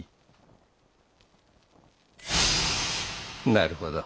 なるほど。